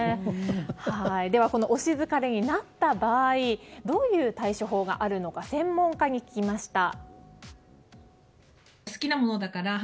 では、推し疲れになった場合どういう対処法があるのか専門家に聞きました。